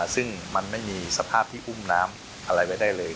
ซึ่งมันไม่มีสภาพที่อุ้มน้ำอะไรไว้ได้เลย